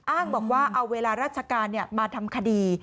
อ้างบอกว่าเอาเวลาราชการมาทำคดี